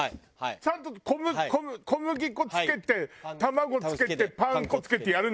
ちゃんと小麦粉つけて卵つけてパン粉つけてやるんでしょ？